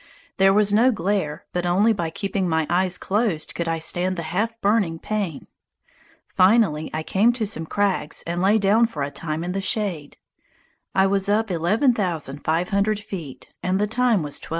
There was no glare, but only by keeping my eyes closed could I stand the half burning pain. Finally I came to some crags and lay down for a time in the shade. I was up eleven thousand five hundred feet and the time was 12.